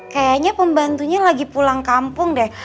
kayaknya pembantunya lagi pulang kampung deh